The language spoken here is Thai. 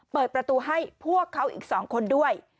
เปิดประตูให้พวกเขาอีก๒คนด้วย